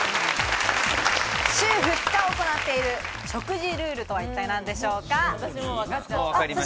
週２日行っている食事ルールとは一体何でしょうか？